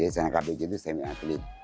di sana kbj itu semi atlet